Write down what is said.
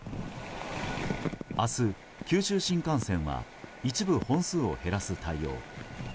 明日、九州新幹線は一部本数を減らす対応。